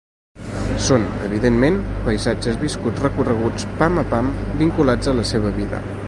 Són, evidentment, paisatges viscuts, recorreguts pam a pam, vinculats a la seva vida.